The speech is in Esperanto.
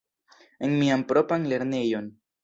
En mian propran lernejon.